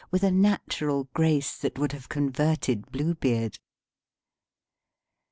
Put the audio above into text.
with a natural grace that would have converted Blue Beard.